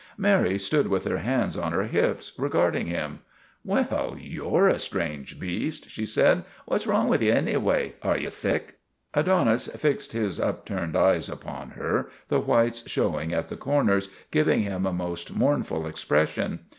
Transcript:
Mary stood with her hands on her hips, regard ing him. " Well, you 're a strange beast," she said. " What 's wrong with ye, anyway? Are ye sick? ' Adonis fixed his upturned eyes upon her, the whites showing at the corners, giving him a most mournful expression.